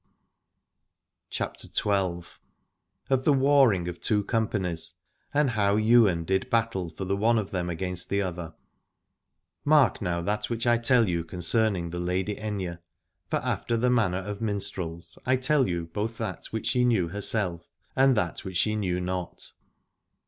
70 CHAPTER XII. OF THE WARRING OF TWO COMPANIES, AND HOW YWAIN DID BATTLE FOR THE ONE OF THEM AGAINST THE OTHER. Mark now that which I tell you concerning the Lady Aithne: for after the manner of minstrels I tell you both that which she knew herself and that which she knew not.